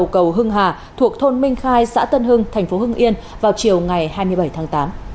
cầu hưng hà thuộc thôn minh khai xã tân hưng thành phố hưng yên vào chiều ngày hai mươi bảy tháng tám